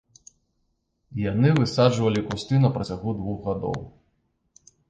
Яны высаджвалі кусты на працягу двух гадоў.